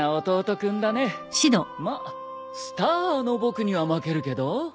まっスターの僕には負けるけど。